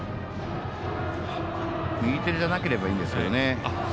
右手じゃなければいいんですがね。